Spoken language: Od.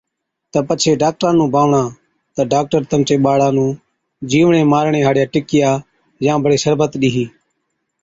تہ پڇي ڊاڪٽرا نُون بانوَڻا تہ ڊاڪٽر تمچي ٻاڙا نُون جِيوڙين مارڻي هاڙِيا ٽِڪِيا يان بڙي شربت ڏِيهِي۔